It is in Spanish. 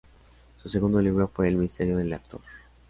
Su segundo libro fue "El misterio del actor".